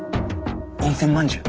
温泉まんじゅう。